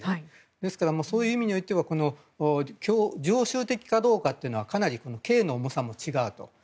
ですからそういう意味においては常習的かどうかというのはかなり刑の重さも違うと。